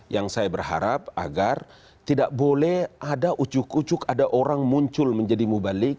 yang saya berharap agar tidak boleh ada ucuk ucuk ada orang muncul menjadi mubalik